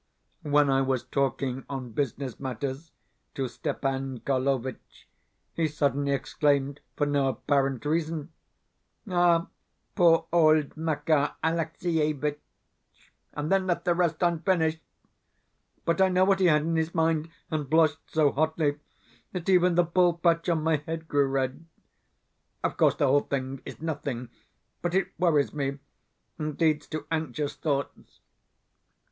When I was talking on business matters to Stepan Karlovitch, he suddenly exclaimed, for no apparent reason, "Ah, poor old Makar Alexievitch!" and then left the rest unfinished. But I knew what he had in his mind, and blushed so hotly that even the bald patch on my head grew red. Of course the whole thing is nothing, but it worries me, and leads to anxious thoughts.